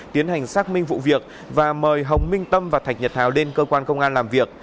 tiến hành xác minh vụ việc và mời hồng minh tâm và thạch nhật hào lên cơ quan công an làm việc